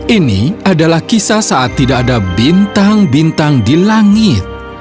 ini adalah kisah saat tidak ada bintang bintang di langit